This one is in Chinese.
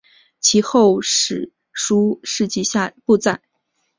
其后史书事迹不载。